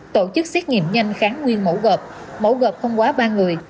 tổ chức xét nghiệm nhanh kháng nguyên mẫu gợp mẫu gợp không quá ba người